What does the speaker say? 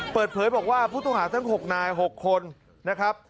เปิดเผยบอกว่าผู้ต้องหาทั้ง๖นาย๖คนนะครับ